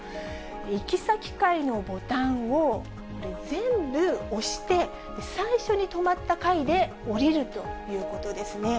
行き先階のボタンを全部押して、最初に止まった階で降りるということですね。